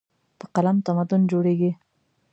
په قلم تمدن جوړېږي.